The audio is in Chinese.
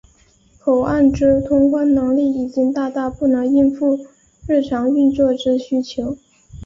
口岸之通关能力已经大大不能应付日常运作之需求。